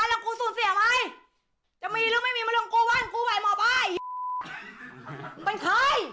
ห้ะของหนูจะมีหรือไม่มีมรร่วงของหนูอันไม่มีของหนู